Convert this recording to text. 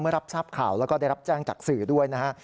รับทราบข่าวแล้วก็ได้รับแจ้งจากสื่อด้วยนะฮะ